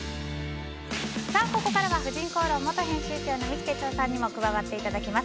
ここからは「婦人公論」元編集長の三木哲男さんにも加わっていただきます。